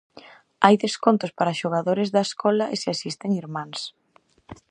Hai descontos para xogadores da escola e se asisten irmáns.